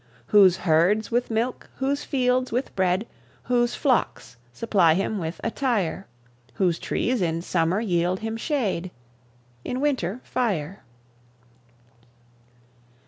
Whose herds with milk, whose fields with bread, Whose flocks supply him with attire; Whose trees in summer yield him shade, In winter fire.